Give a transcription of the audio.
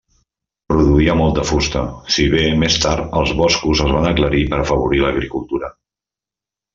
Produïa molta fusta, si bé més tard els boscos es van aclarir per afavorir l'agricultura.